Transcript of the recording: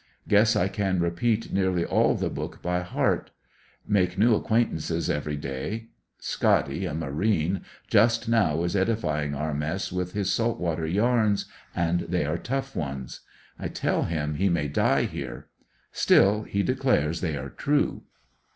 Guess I can repeat nearly all the book by heart. Make new acquaintances every day *'Scotty," a marine, just now is edifying our mess with his salt water yarns, and they are tough ones I tell him he may die here; still he declares they are true.